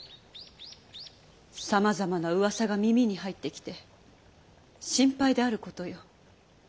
さまざまなうわさが耳に入ってきて心配であることよ。